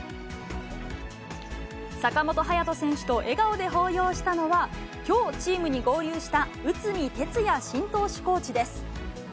坂本勇人選手と、笑顔で抱擁したのは、きょうチームに合流した内海哲也新投手コーチです。